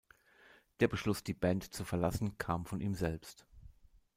Der Beschluss, die Band zu verlassen, kam von ihm selbst.